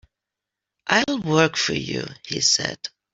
"I'll work for you," he said.